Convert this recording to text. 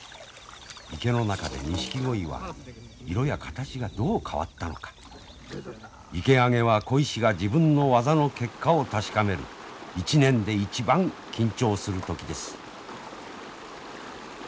池の中でニシキゴイは色や形がどう変わったのか池上げは鯉師が自分の技の結果を確かめる一年で一番緊張する時です。